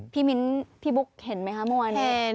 มิ้นพี่บุ๊กเห็นไหมคะเมื่อวานนี้